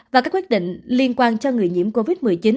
và các quyết định liên quan cho người nhiễm covid một mươi chín